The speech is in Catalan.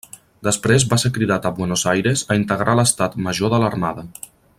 Després va ser cridat a Buenos Aires a integrar l'estat major de l'armada.